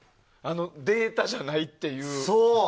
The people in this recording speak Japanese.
データじゃないっていう。